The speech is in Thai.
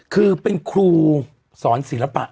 คือเป็นครูสอนศิลปะ